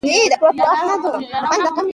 اې ای وویل چې ځلېدل د څراغونو له کبله دي.